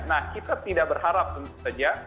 nah kita tidak berharap tentu saja